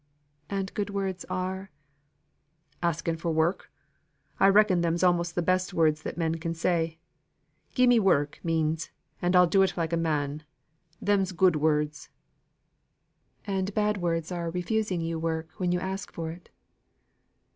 "And good words are ?" "Asking for work. I reckon them's almost the best words that men can say. 'Gi' me work' means 'and I'll do it like a man.' Them's good words." "And bad words are refusing you work when you ask for it."